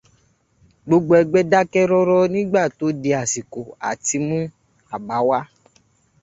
Gbogbo ẹgbẹ́ dákẹ́ rọ́rọ́ nígbà tó di àsìkò à ti mú àbá wá.